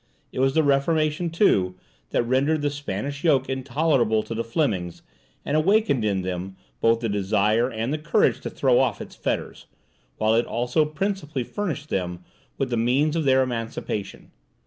It was the Reformation, too, that rendered the Spanish yoke intolerable to the Flemings, and awakened in them both the desire and the courage to throw off its fetters, while it also principally furnished them with the means of their emancipation.